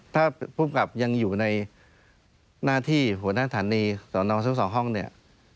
ถ้าภูมิกับยังอยู่ในหน้าที่หัวหน้าฐานีสอนอทั้งสองห้องเนี่ย